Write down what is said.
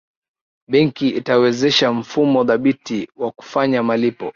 benki itawezesha mfumo thabiti wa kufanya malipo